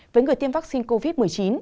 với người tiêm vaccine covid một mươi chín